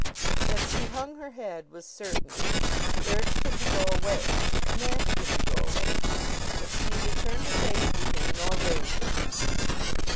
That she hung her head, was certain. She urged him to go away, she commanded him to go away; but she neither turned her face to him, nor raised it.